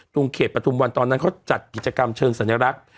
ตรงเขตปฐุมวันตอนนั้นเขาจัดกิจกรรมเชิงสัญลักษณ์